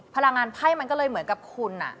พลังงานไพ่มันก็เลยเหมือนกับคุณ